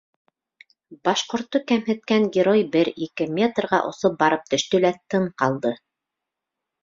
Башҡортто кәмһеткән герой бер-ике метрға осоп барып төштө лә тын ҡалды.